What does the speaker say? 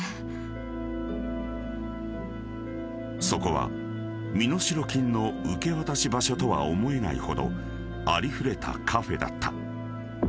［そこは身代金の受け渡し場所とは思えないほどありふれたカフェだった］